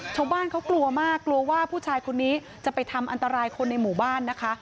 ชาวบ้านเขากลัวมากกลัวว่าผู้ชายคนนี้จะไปทำอันตรายคนในหมู่บ้านนะคะ